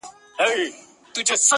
• هر وختي ته نـــژدې كـيــږي دا.